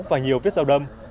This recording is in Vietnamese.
và nhiều viết rau đâm